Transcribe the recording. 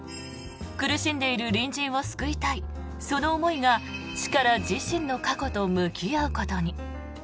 苦しんでいる隣人を救いたいその思いがチカラ自身の過去と向き合うことに。